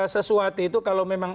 sesuatu itu kalau memang